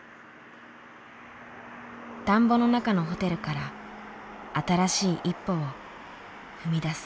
田んぼの中のホテルから新しい一歩を踏み出す。